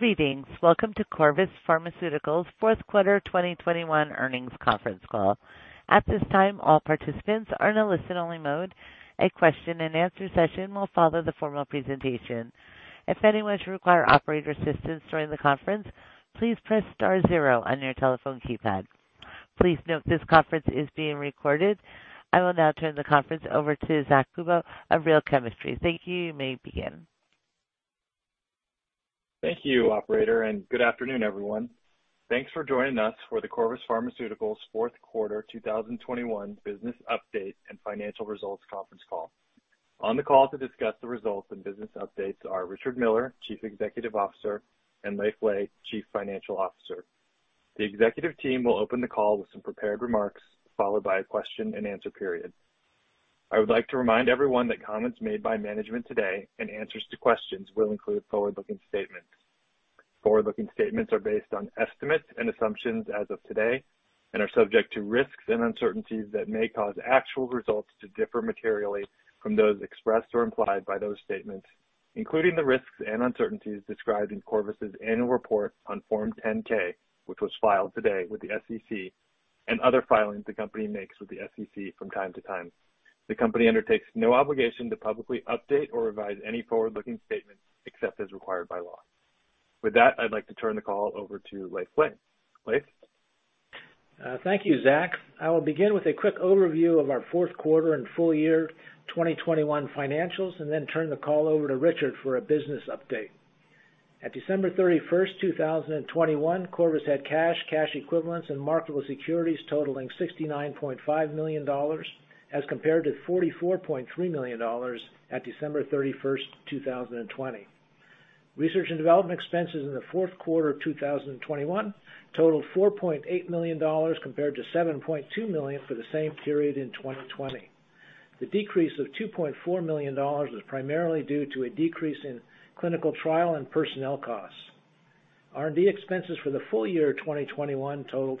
Greetings. Welcome to Corvus Pharmaceuticals fourth quarter 2021 earnings conference call. At this time, all participants are in a listen-only mode. A question-and-answer session will follow the formal presentation. If anyone should require operator assistance during the conference, please press star zero on your telephone keypad. Please note this conference is being recorded. I will now turn the conference over to Zack Kubow of Real Chemistry. Thank you. You may begin. Thank you, operator, and good afternoon, everyone. Thanks for joining us for the Corvus Pharmaceuticals fourth quarter 2021 business update and financial results conference call. On the call to discuss the results and business updates are Richard Miller, Chief Executive Officer, and Leiv Lea, Chief Financial Officer. The executive team will open the call with some prepared remarks, followed by a question-and-answer period. I would like to remind everyone that comments made by management today and answers to questions will include forward-looking statements. Forward-looking statements are based on estimates and assumptions as of today and are subject to risks and uncertainties that may cause actual results to differ materially from those expressed or implied by those statements, including the risks and uncertainties described in Corvus's annual report on Form 10-K, which was filed today with the SEC and other filings the company makes with the SEC from time to time. The company undertakes no obligation to publicly update or revise any forward-looking statements except as required by law. With that, I'd like to turn the call over to Leiv Lea. Leiv? Thank you, Zack. I will begin with a quick overview of our fourth quarter and full year 2021 financials and then turn the call over to Richard for a business update. At December 31, 2021, Corvus had cash equivalents, and marketable securities totaling $69.5 million as compared to $44.3 million at December 31, 2020. Research and development expenses in the fourth quarter of 2021 totaled $4.8 million compared to $7.2 million for the same period in 2020. The decrease of $2.4 million was primarily due to a decrease in clinical trial and personnel costs. R&D expenses for the full year 2021 totaled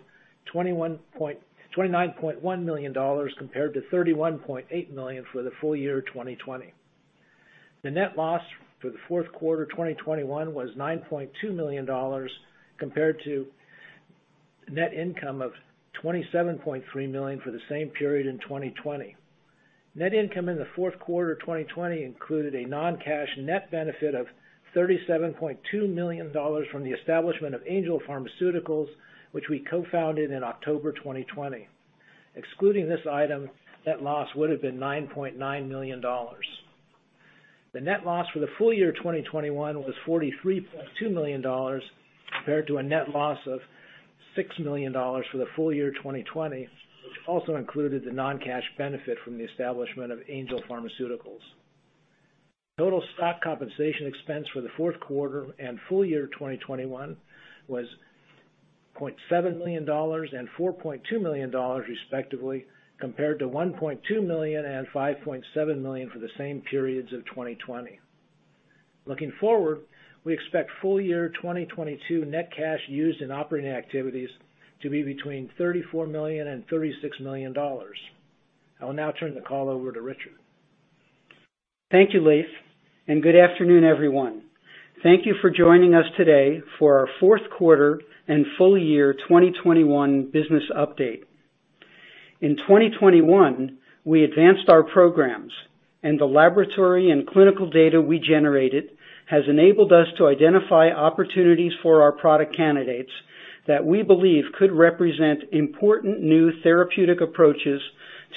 $29.1 million compared to $31.8 million for the full year 2020. The net loss for the fourth quarter 2021 was $9.2 million compared to net income of $27.3 million for the same period in 2020. Net income in the fourth quarter 2020 included a non-cash net benefit of $37.2 million from the establishment of Angel Pharmaceuticals, which we co-founded in October 2020. Excluding this item, net loss would have been $9.9 million. The net loss for the full year 2021 was $43.2 million compared to a net loss of $6 million for the full year 2020, which also included the non-cash benefit from the establishment of Angel Pharmaceuticals. Total stock compensation expense for the fourth quarter and full year 2021 was $0.7 million and $4.2 million, respectively, compared to $1.2 million and $5.7 million for the same periods of 2020. Looking forward, we expect full year 2022 net cash used in operating activities to be between $34 million and $36 million. I will now turn the call over to Richard. Thank you, Leiv, and good afternoon, everyone. Thank you for joining us today for our fourth quarter and full year 2021 business update. In 2021, we advanced our programs and the laboratory and clinical data we generated has enabled us to identify opportunities for our product candidates that we believe could represent important new therapeutic approaches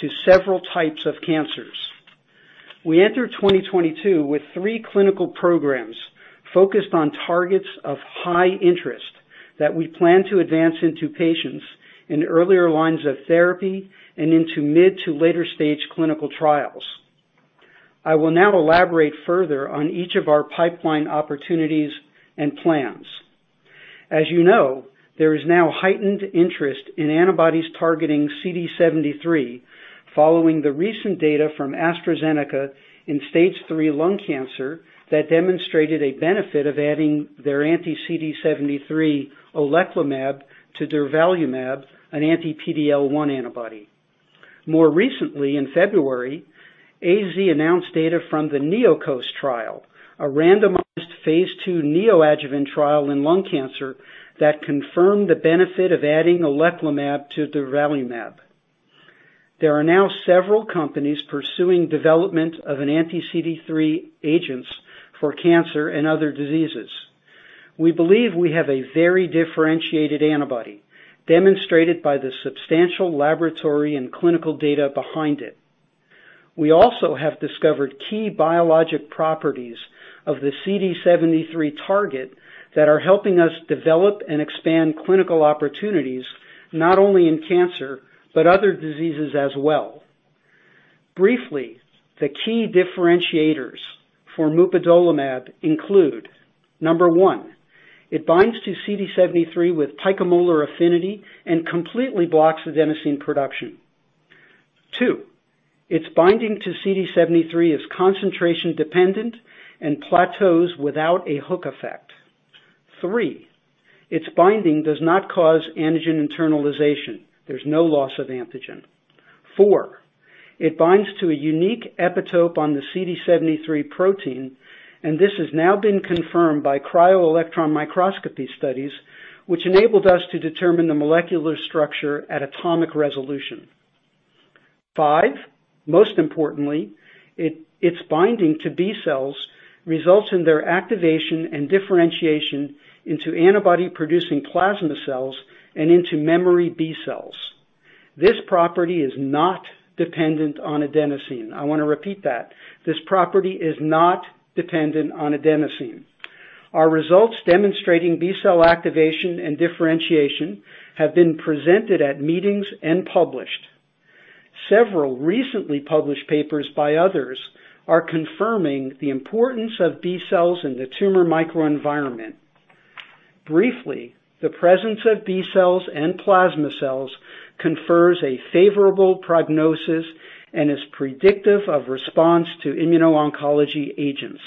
to several types of cancers. We enter 2022 with three clinical programs focused on targets of high interest that we plan to advance into patients in earlier lines of therapy and into mid- to late-stage clinical trials. I will now elaborate further on each of our pipeline opportunities and plans. As you know, there is now heightened interest in antibodies targeting CD73 following the recent data from AstraZeneca in stage III lung cancer that demonstrated a benefit of adding their anti-CD73 oleclumab to durvalumab, an anti-PD-L1 antibody. More recently, in February, AZ announced data from the NeoCOAST trial, a randomized phase II neoadjuvant trial in lung cancer that confirmed the benefit of adding oleclumab to durvalumab. There are now several companies pursuing development of an anti-CD73 agents for cancer and other diseases. We believe we have a very differentiated antibody demonstrated by the substantial laboratory and clinical data behind it. We also have discovered key biologic properties of the CD73 target that are helping us develop and expand clinical opportunities not only in cancer, but other diseases as well. Briefly, the key differentiators for mupadolimab include, number one, it binds to CD73 with picomolar affinity and completely blocks adenosine production. Two, its binding to CD73 is concentration dependent and plateaus without a hook effect. Three, its binding does not cause antigen internalization. There's no loss of antigen. 4, it binds to a unique epitope on the CD73 protein, and this has now been confirmed by cryo-electron microscopy studies, which enabled us to determine the molecular structure at atomic resolution. 5, most importantly, its binding to B cells results in their activation and differentiation into antibody producing plasma cells and into memory B cells. This property is not dependent on adenosine. I wanna repeat that. This property is not dependent on adenosine. Our results demonstrating B-cell activation and differentiation have been presented at meetings and published. Several recently published papers by others are confirming the importance of B cells in the tumor microenvironment. Briefly, the presence of B cells and plasma cells confers a favorable prognosis and is predictive of response to immuno-oncology agents.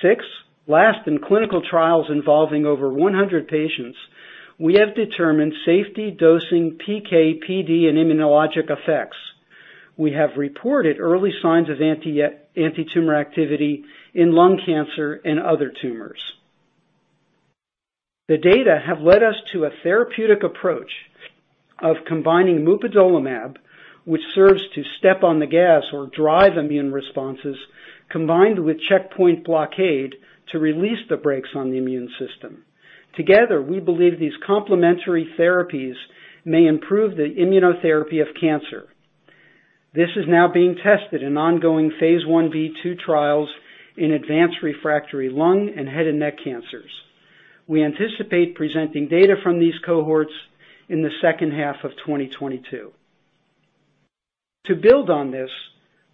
6. Lastly, in clinical trials involving over 100 patients, we have determined safety dosing PK/PD and immunologic effects. We have reported early signs of anti-tumor activity in lung cancer and other tumors. The data have led us to a therapeutic approach of combining mupadolimab, which serves to step on the gas or drive immune responses, combined with checkpoint blockade to release the brakes on the immune system. Together, we believe these complementary therapies may improve the immunotherapy of cancer. This is now being tested in ongoing phase Ib/II trials in advanced refractory lung and head and neck cancers. We anticipate presenting data from these cohorts in the second half of 2022. To build on this,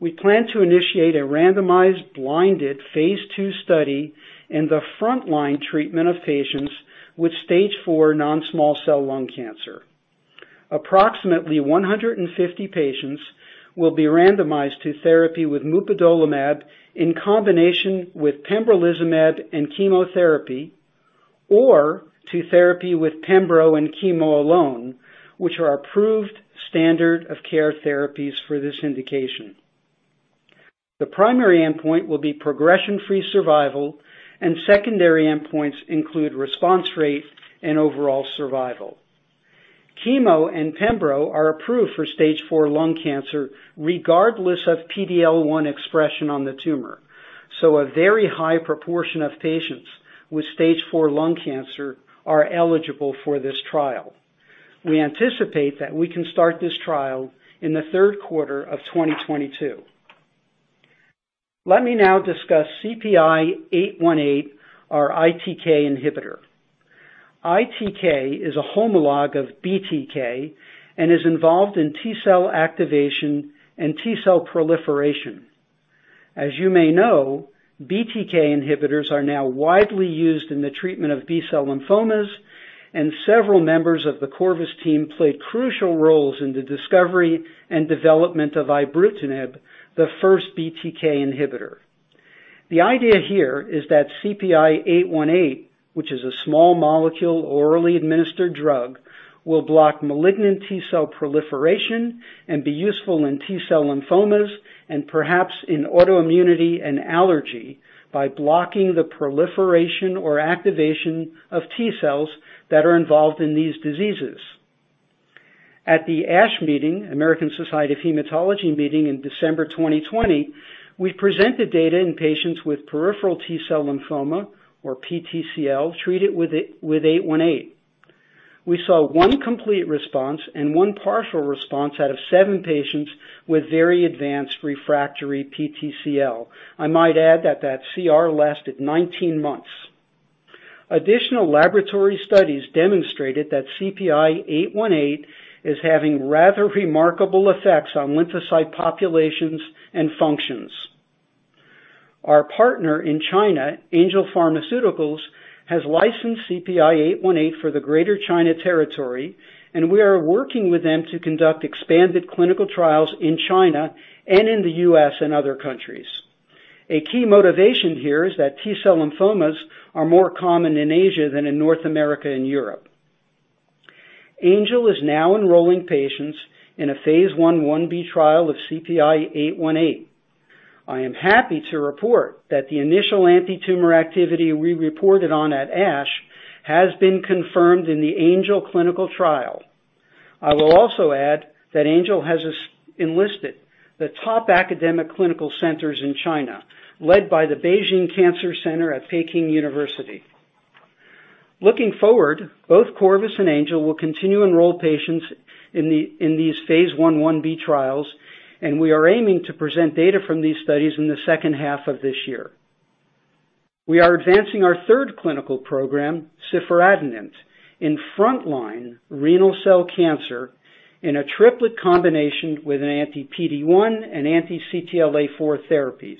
we plan to initiate a randomized blinded phase II study in the front line treatment of patients with stage IV non-small cell lung cancer. Approximately 150 patients will be randomized to therapy with mupadolimab in combination with pembrolizumab and chemotherapy, or to therapy with pembro and chemo alone, which are approved standard of care therapies for this indication. The primary endpoint will be progression-free survival, and secondary endpoints include response rate and overall survival. Chemo and pembro are approved for stage IV lung cancer regardless of PD-L1 expression on the tumor, so a very high proportion of patients with stage IV lung cancer are eligible for this trial. We anticipate that we can start this trial in the third quarter of 2022. Let me now discuss CPI-818, our ITK inhibitor. ITK is a homolog of BTK and is involved in T cell activation and T cell proliferation. As you may know, BTK inhibitors are now widely used in the treatment of B cell lymphomas and several members of the Corvus team played crucial roles in the discovery and development of ibrutinib, the first BTK inhibitor. The idea here is that CPI-818, which is a small molecule orally administered drug, will block malignant T cell proliferation and be useful in T cell lymphomas and perhaps in autoimmunity and allergy by blocking the proliferation or activation of T cells that are involved in these diseases. At the ASH Meeting, American Society of Hematology Meeting in December 2020, we presented data in patients with peripheral T cell lymphoma or PTCL treated with eight one eight. We saw one complete response and one partial response out of seven patients with very advanced refractory PTCL. I might add that that CR lasted 19 months. Additional laboratory studies demonstrated that CPI-818 is having rather remarkable effects on lymphocyte populations and functions. Our partner in China, Angel Pharmaceuticals, has licensed CPI-818 for the Greater China territory, and we are working with them to conduct expanded clinical trials in China and in the U.S. and other countries. A key motivation here is that T-cell lymphomas are more common in Asia than in North America and Europe. Angel is now enrolling patients in a phase I/1b trial of CPI-818. I am happy to report that the initial anti-tumor activity we reported on at ASH has been confirmed in the Angel clinical trial. I will also add that Angel has enlisted the top academic clinical centers in China, led by the Beijing Cancer Hospital at Peking University. Looking forward, both Corvus and Angel will continue to enroll patients in these phase I/Ib trials, and we are aiming to present data from these studies in the second half of this year. We are advancing our third clinical program, ciforadenant, in frontline renal cell cancer in a triplet combination with an anti-PD-1 and anti-CTLA-4 therapies.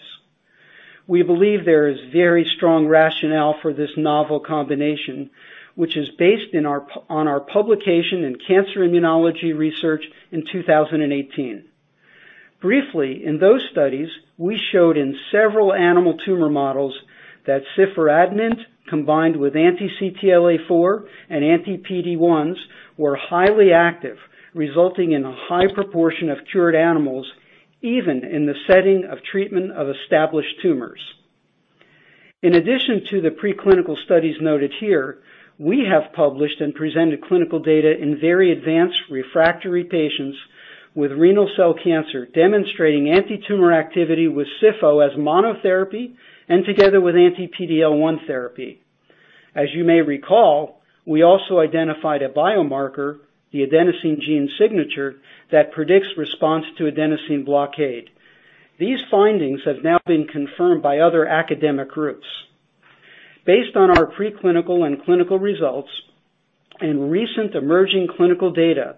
We believe there is very strong rationale for this novel combination, which is based on our publication in Cancer Immunology Research in 2018. Briefly, in those studies, we showed in several animal tumor models that ciforadenant, combined with anti-CTLA-4 and anti-PD-1s, were highly active, resulting in a high proportion of cured animals, even in the setting of treatment of established tumors. In addition to the preclinical studies noted here, we have published and presented clinical data in very advanced refractory patients with renal cell cancer, demonstrating antitumor activity with ciforadenant as monotherapy and together with anti-PD-L1 therapy. As you may recall, we also identified a biomarker, the Adenosine Gene Signature, that predicts response to adenosine blockade. These findings have now been confirmed by other academic groups. Based on our preclinical and clinical results and recent emerging clinical data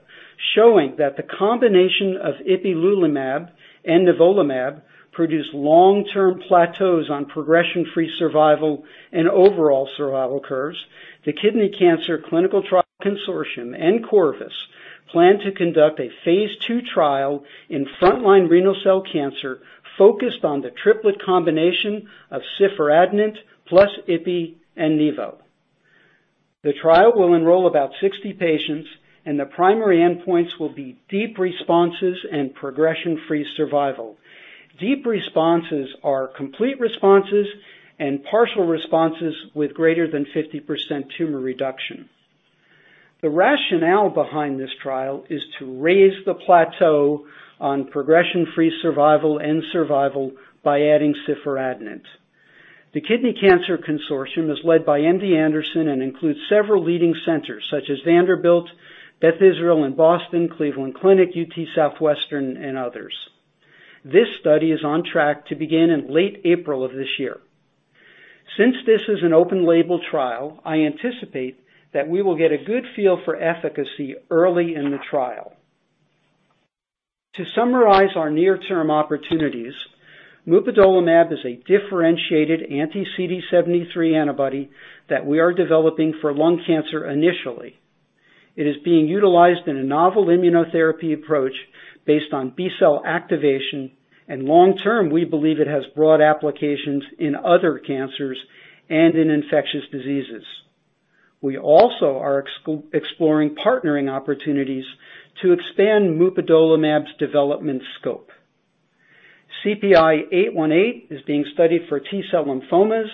showing that the combination of ipilimumab and nivolumab produce long-term plateaus on progression-free survival and overall survival curves, the Kidney Cancer Research Consortium and Corvus plan to conduct a phase II trial in frontline renal cell cancer focused on the triplet combination of ciforadenant plus ipi and nivo. The trial will enroll about 60 patients, and the primary endpoints will be deep responses and progression-free survival. Deep responses are complete responses and partial responses with greater than 50% tumor reduction. The rationale behind this trial is to raise the plateau on progression-free survival and survival by adding ciforadenant. The Kidney Cancer Research Consortium is led by MD Anderson and includes several leading centers such as Vanderbilt, Beth Israel in Boston, Cleveland Clinic, UT Southwestern, and others. This study is on track to begin in late April of this year. Since this is an open label trial, I anticipate that we will get a good feel for efficacy early in the trial. To summarize our near-term opportunities, mupadolimab is a differentiated anti-CD73 antibody that we are developing for lung cancer initially. It is being utilized in a novel immunotherapy approach based on B-cell activation, and long term, we believe it has broad applications in other cancers and in infectious diseases. We also are exploring partnering opportunities to expand mupadolimab's development scope. CPI-818 is being studied for T-cell lymphomas,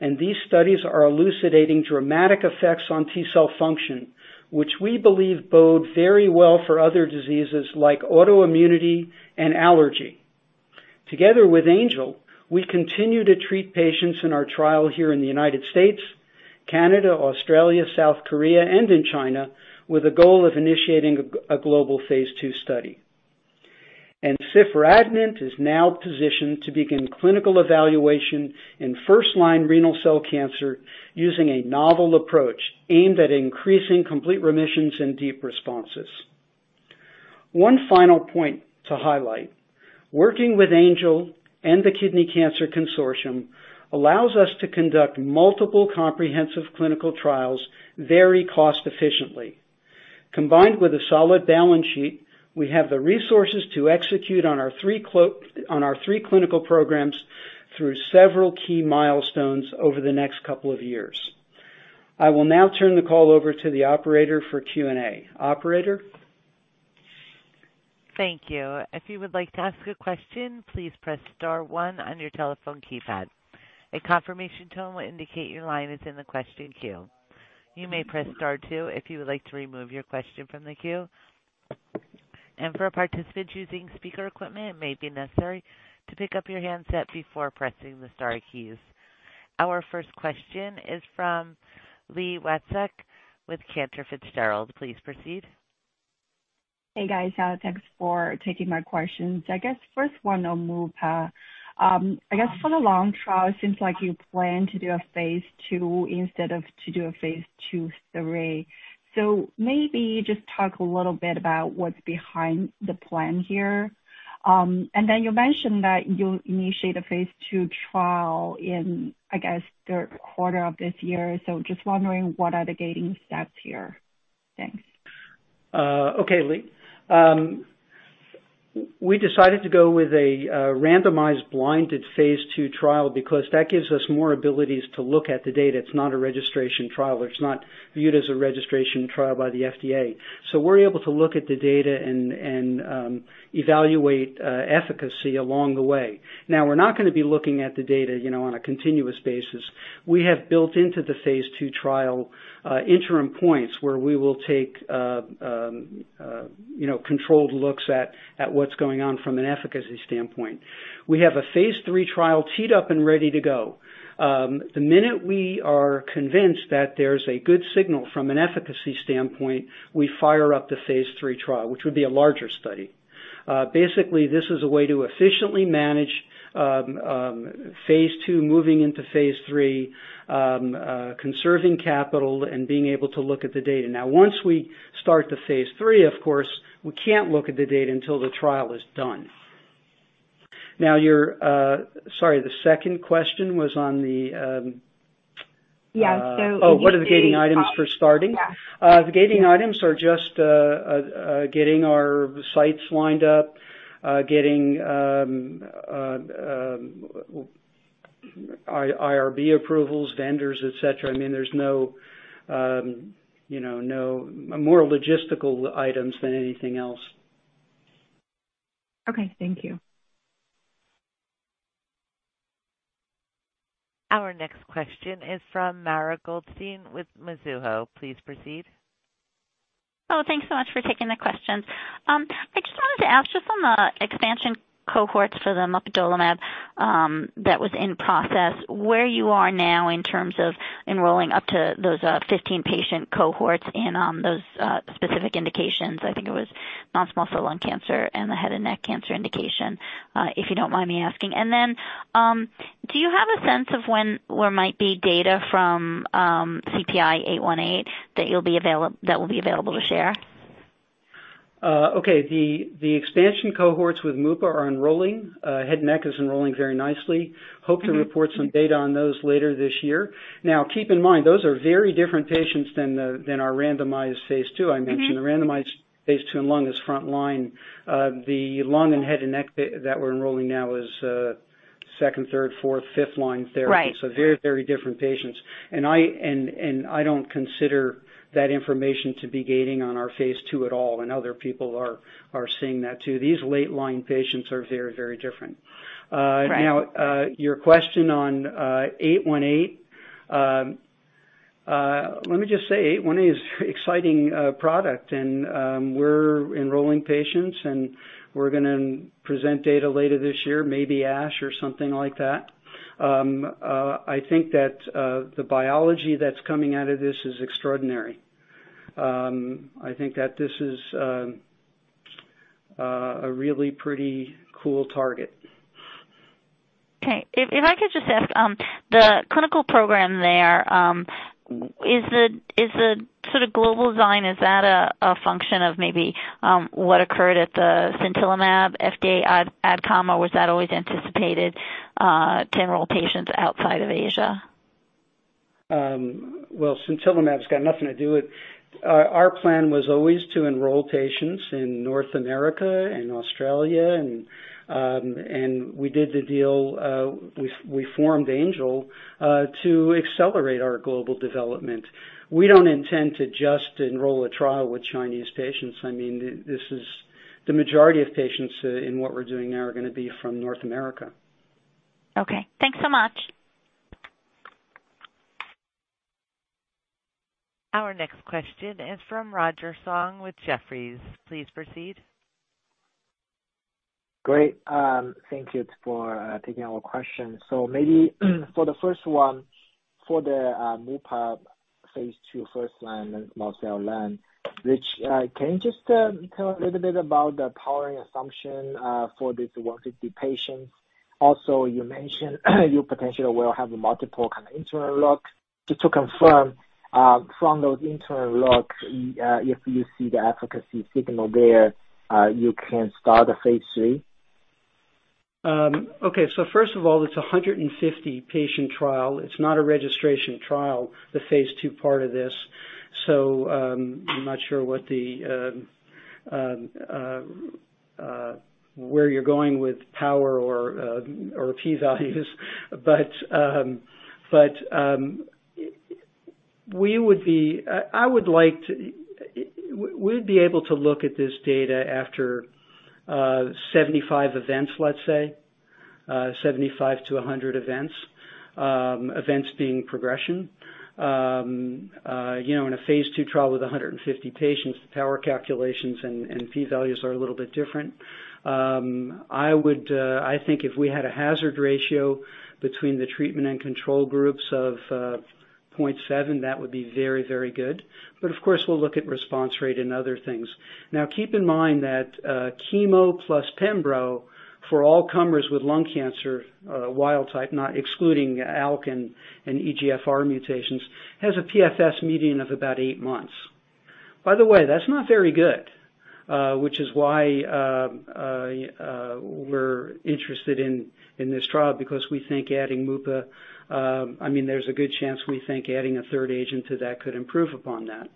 and these studies are elucidating dramatic effects on T-cell function, which we believe bode very well for other diseases like autoimmunity and allergy. Together with Angel, we continue to treat patients in our trial here in the United States, Canada, Australia, South Korea, and in China, with a goal of initiating a global phase II study. Ciforadenant is now positioned to begin clinical evaluation in first-line renal cell cancer using a novel approach aimed at increasing complete remissions and deep responses. One final point to highlight, working with Angel and the Kidney Cancer Research Consortium allows us to conduct multiple comprehensive clinical trials very cost-efficiently. Combined with a solid balance sheet, we have the resources to execute on our three clinical programs through several key milestones over the next couple of years. I will now turn the call over to the operator for Q&A. Operator? Thank you. If you would like to ask a question, please press star one on your telephone keypad. A confirmation tone will indicate your line is in the question queue. You may press star two if you would like to remove your question from the queue. For participants using speaker equipment, it may be necessary to pick up your handset before pressing the star keys. Our first question is from Li Watsek with Cantor Fitzgerald. Please proceed. Hey, guys. Thanks for taking my questions. I guess first one on Mupa. I guess for the lung trial, it seems like you plan to do a phase II instead of to do a phase II/III. Maybe just talk a little bit about what's behind the plan here. You mentioned that you'll initiate a phase II trial in, I guess, third quarter of this year. Just wondering what are the gating steps here? Thanks. Okay, Li. We decided to go with a randomized blinded phase II trial because that gives us more abilities to look at the data. It's not a registration trial. It's not viewed as a registration trial by the FDA. We're able to look at the data and evaluate efficacy along the way. Now, we're not gonna be looking at the data, you know, on a continuous basis. We have built into the phase II trial interim points where we will take controlled looks at what's going on from an efficacy standpoint. We have a phase III trial teed up and ready to go. The minute we are convinced that there's a good signal from an efficacy standpoint, we fire up the phase III trial, which would be a larger study. Basically, this is a way to efficiently manage phase II, moving into phase III, conserving capital and being able to look at the data. Now, once we start the phase III, of course, we can't look at the data until the trial is done. Sorry, the second question was on the Yeah. Oh, what are the gating items for starting? Yeah. The gating items are just getting our sites lined up, getting IRB approvals, vendors, et cetera. I mean, there's no, you know, no more logistical items than anything else. Okay. Thank you. Our next question is from Mara Goldstein with Mizuho. Please proceed. Oh, thanks so much for taking the questions. I just wanted to ask just on the expansion cohorts for the mupadolimab, that was in process, where you are now in terms of enrolling up to those 15-patient cohorts and those specific indications. I think it was non-small cell lung cancer and the head and neck cancer indication, if you don't mind me asking. Do you have a sense of when there might be data from CPI-818 that will be available to share? Okay. The expansion cohorts with mupadolimab are enrolling. Head and neck is enrolling very nicely. Mm-hmm. hope to report some data on those later this year. Keep in mind, those are very different patients than our randomized phase II I mentioned. Mm-hmm. The randomized phase II in lung is front line. The lung and head and neck that we're enrolling now is second, third, fourth, fifth line therapy. Right. Very, very different patients. I don't consider that information to be gating on our phase II at all, and other people are seeing that too. These late-line patients are very, very different. Right. Now, your question on 818. Let me just say, 818 is exciting product, and we're enrolling patients, and we're gonna present data later this year, maybe ASH or something like that. I think that the biology that's coming out of this is extraordinary. I think that this is a really pretty cool target. Okay. If I could just ask, the clinical program there, is the sort of global design, is that a function of maybe, what occurred at the sintilimab FDA AdCom, or was that always anticipated, to enroll patients outside of Asia? Well, sintilimab's got nothing to do with our plan. Our plan was always to enroll patients in North America and Australia, and we did the deal, we formed Angel to accelerate our global development. We don't intend to just enroll a trial with Chinese patients. I mean, this is the majority of patients in what we're doing now are gonna be from North America. Okay. Thanks so much. Our next question is from Roger Song with Jefferies. Please proceed. Great. Thank you for taking our question. Maybe for the first one, for the mupadolimab phase II first-line non-small cell lung, which can you just tell a little bit about the powering assumption for this 150 patients? Also, you mentioned you potentially will have multiple kind of interim looks. Just to confirm, from those interim looks, if you see the efficacy signal there, you can start the phase III? Okay. First of all, it's a 150-patient trial. It's not a registration trial, the phase II part of this. I'm not sure where you're going with power or P-values. We'd be able to look at this data after 75 events, let's say, 75 to 100 events being progression. You know, in a phase II trial with 150 patients, the power calculations and P-values are a little bit different. I think if we had a hazard ratio between the treatment and control groups of 0.7, that would be very, very good. Of course, we'll look at response rate and other things. Now, keep in mind that chemo plus pembro for all comers with lung cancer, wild type, not excluding ALK and EGFR mutations, has a PFS median of about eight months. By the way, that's not very good, which is why we're interested in this trial because we think adding mupadolimab, I mean, there's a good chance we think adding a third agent to that could improve upon that.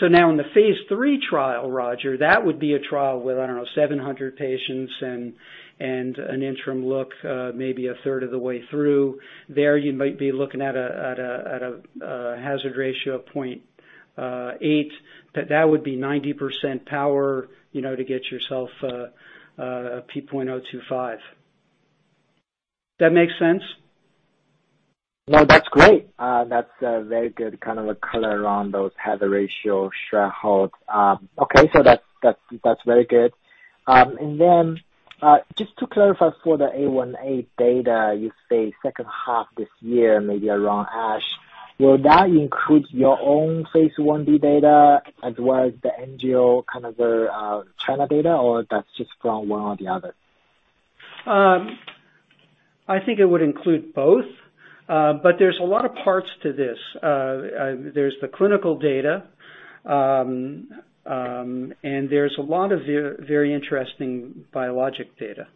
Now in the phase III trial, Roger, that would be a trial with, I don't know, 700 patients and an interim look, maybe a third of the way through. There you might be looking at a hazard ratio of 0.8. That would be 90% power, you know, to get yourself a p=0.025. That make sense? No, that's great. That's a very good kind of a color around those hazard ratio threshold. Okay. That's very good. Then, just to clarify for the CPI-818 data, you say second half this year, maybe around ASH, will that include your own phase I/II data as well as the Angel kind of the China data, or that's just from one or the other? I think it would include both, but there's a lot of parts to this. There's the clinical data, and there's a lot of very interesting biological data.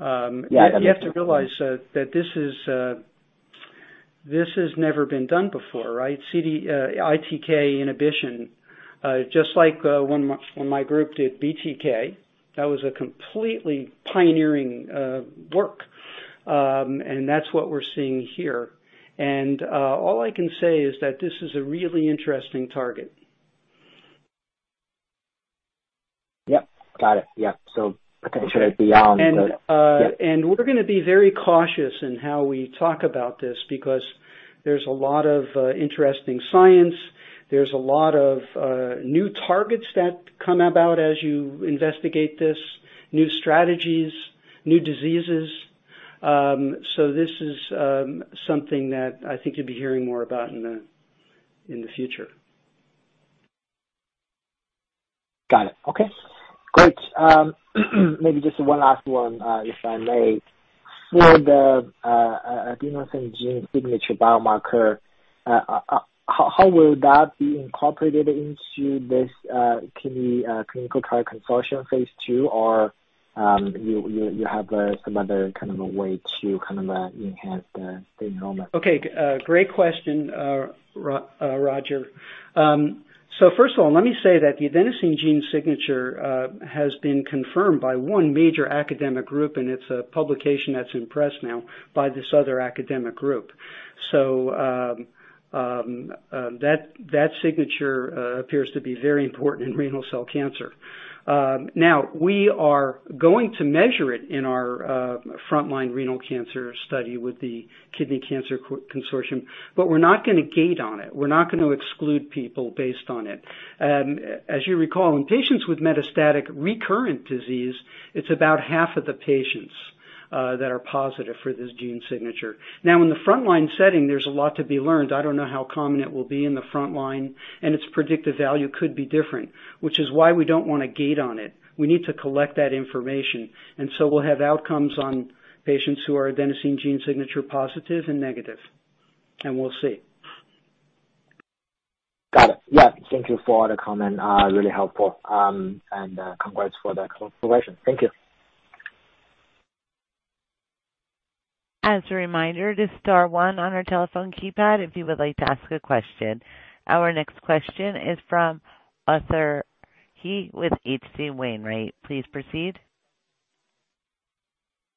You have to realize that this has never been done before, right? ITK inhibition, just like when my group did BTK, that was a completely pioneering work. That's what we're seeing here. All I can say is that this is a really interesting target. Yep. Got it. Yeah. Potentially beyond the, yeah. We're gonna be very cautious in how we talk about this because there's a lot of interesting science. There's a lot of new targets that come about as you investigate this, new strategies, new diseases. This is something that I think you'll be hearing more about in the future. Got it. Okay. Great. Maybe just one last one, if I may. For the Adenosine Gene Signature biomarker, how will that be incorporated into this kidney clinical trial consortium phase II? Or, you have some other kind of a way to kind of enhance the enrollment? Okay. Great question, Roger. First of all, let me say that the Adenosine Gene Signature has been confirmed by one major academic group, and it's a publication that's in press now by this other academic group. That signature appears to be very important in renal cell cancer. Now, we are going to measure it in our frontline renal cancer study with the Kidney Cancer Research Consortium, but we're not gonna gate on it. We're not gonna exclude people based on it. As you recall, in patients with metastatic recurrent disease, it's about half of the patients that are positive for this gene signature. Now, in the frontline setting, there's a lot to be learned. I don't know how common it will be in the front line, and its predictive value could be different, which is why we don't wanna gate on it. We need to collect that information. We'll have outcomes on patients who are Adenosine Gene Signature positive and negative, and we'll see. Got it. Yeah. Thank you for the comment. Really helpful. Congrats for the collaboration. Thank you. As a reminder, just star one on our telephone keypad if you would like to ask a question. Our next question is from Arthur He with H.C. Wainwright. Please proceed.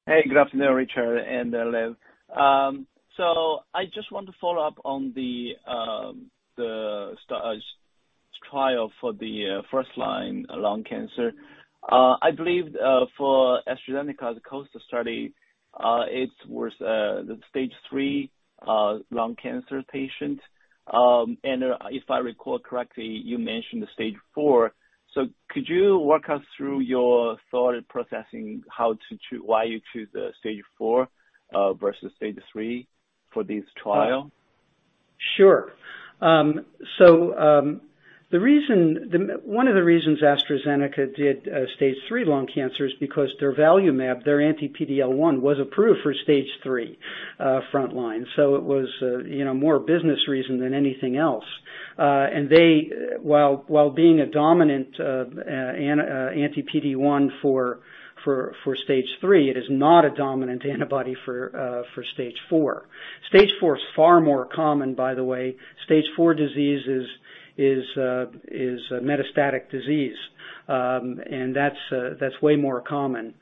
Hey, good afternoon, Richard and Leiv. I just want to follow up on the trial for the first-line lung cancer. I believe for AstraZeneca, the COAST study, it was the stage three lung cancer patient. And if I recall correctly, you mentioned the stage four. Could you walk us through your thought process, why you choose the stage four versus stage three for this trial? Sure. One of the reasons AstraZeneca did a stage three lung cancer is because durvalumab, their anti-PD-L1, was approved for stage three frontline. It was, you know, more business reason than anything else. They, while being a dominant anti-PD-1 for stage three, it is not a dominant antibody for stage four. Stage four is far more common, by the way. Stage four disease is metastatic disease. That's way more common.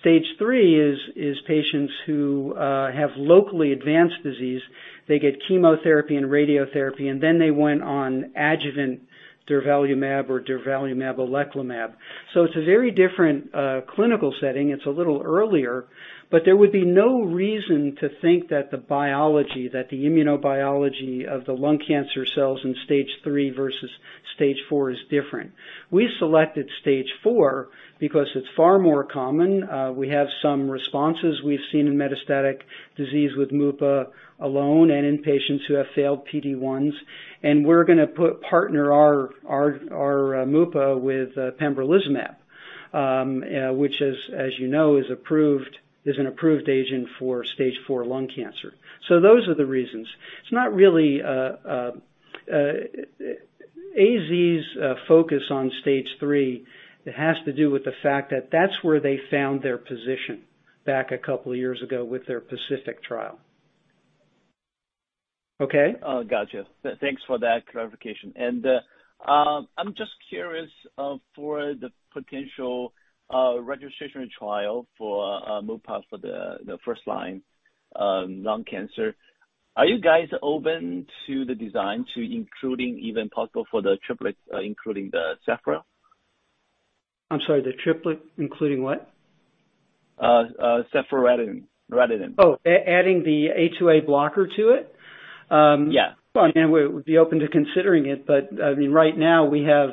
Stage three is patients who have locally advanced disease. They get chemotherapy and radiotherapy, and then they went on adjuvant durvalumab or atezolizumab. It's a very different clinical setting. It's a little earlier, but there would be no reason to think that the biology, that the immunobiology of the lung cancer cells in stage III versus stage IV is different. We selected stage IV because it's far more common. We have some responses we've seen in metastatic disease with mupa alone and in patients who have failed PD-1s. We're gonna partner our mupa with pembrolizumab, which is, as you know, an approved agent for stage IV lung cancer. Those are the reasons. It's not really AZ's focus on stage III, it has to do with the fact that that's where they found their position back a couple years ago with their PACIFIC trial. Okay? Oh, gotcha. Thanks for that clarification. I'm just curious for the potential registration trial for mupadolimab for the first-line lung cancer. Are you guys open to the design to including even possible for the triplet including the extra? I'm sorry, the triplet including what? [soquelitinib, ibrutinib]. Adding the A2A blocker to it? Yeah. Well, I mean, we would be open to considering it, but I mean, right now we have,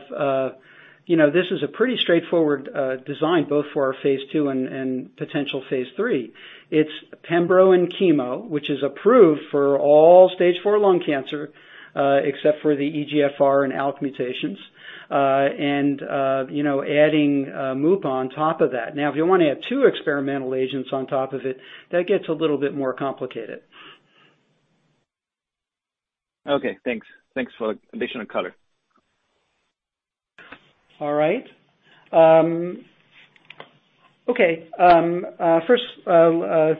you know, this is a pretty straightforward design both for our phase II and potential phase III. It's pembro and chemo, which is approved for all stage four lung cancer, except for the EGFR and ALK mutations, and, you know, adding mupa on top of that. Now, if you wanna add two experimental agents on top of it, that gets a little bit more complicated. Okay. Thanks for additional color. All right. Okay. First,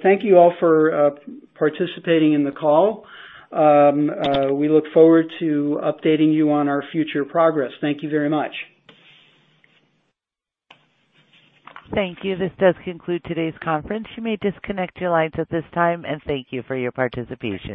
thank you all for participating in the call. We look forward to updating you on our future progress. Thank you very much. Thank you. This does conclude today's conference. You may disconnect your lines at this time, and thank you for your participation.